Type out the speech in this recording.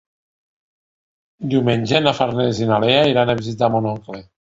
Diumenge na Farners i na Lea iran a visitar mon oncle.